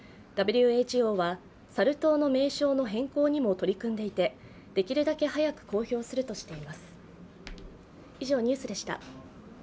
ＷＨＯは、サル痘の名称の変更にも取り組んでいて、できるだけ早く公表するとしています。